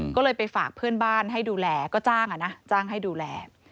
ก็เลยไปฝากเพื่อนบ้านให้ดูแลก็จ้างอ่ะนะจ้างให้ดูแล